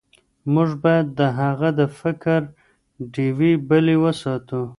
موږ باید د هغه د فکر ډیوې بلې وساتو.